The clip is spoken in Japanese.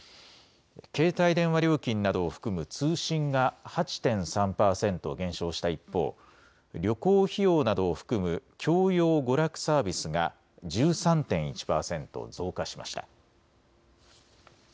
携帯電話料金などを含む通信が８．３％減少した一方、旅行費用などを含む教養娯楽サービスが１３．１％増加しました。